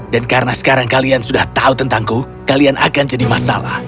dan karena sekarang kalian sudah tahu tentangku kalian akan jadi masalah